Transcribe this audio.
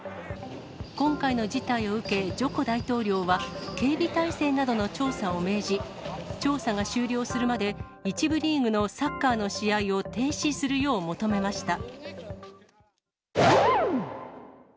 今回の事態を受け、ジョコ大統領は、警備態勢などの調査を命じ、調査が終了するまで１部リーグのサッカーの試合を停止するよう求めました。